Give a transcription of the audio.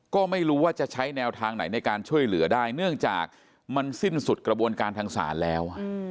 ก็ไม่รู้ว่าจะใช้แนวทางไหนในการช่วยเหลือได้เนื่องจากมันสิ้นสุดกระบวนการทางศาลแล้ว